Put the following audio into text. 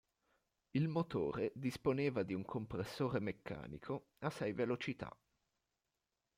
Il motore disponeva di un compressore meccanico a sei velocità.